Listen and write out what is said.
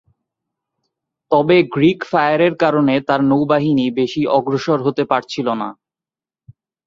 তবে গ্রীক ফায়ারের কারণে তার নৌবাহিনী বেশি অগ্রসর হতে পারছিল না।